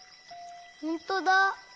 ほんとだ！